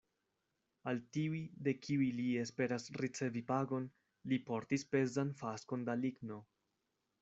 Al tiuj, de kiuj li esperas ricevi pagon, li portis pezan faskon da ligno.